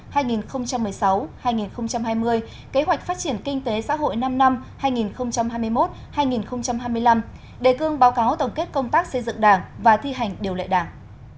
xây dựng chiến lược phát triển kinh tế xã hội năm năm hai nghìn hai mươi một hai nghìn hai mươi năm đề cương báo cáo tổng kết công tác xây dựng đảng và thi hành điều lệ đảng